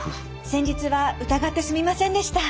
先日は疑ってすみませんでした。